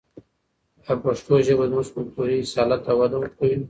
آیا پښتو ژبه زموږ کلتوري اصالت ته وده ورکوي؟